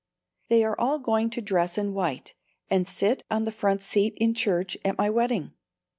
They are all going to dress in white and sit on the front seat in church at my wedding.